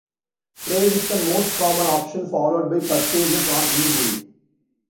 Trade is the most common option, followed by purchases on eBay.